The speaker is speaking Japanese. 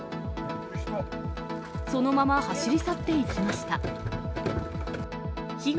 そのまま走り去っていきました。